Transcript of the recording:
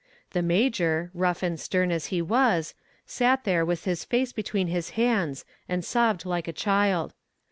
The major, rough and stern as he was, sat there with his face between his hands and sobbed like a child.